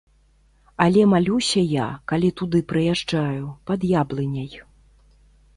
Але малюся я, калі туды прыязджаю, пад яблыняй.